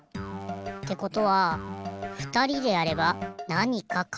ってことはふたりでやればなにかかけるかも。